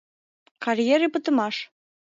КАРЬЕРЕ ПЫТЫМАШ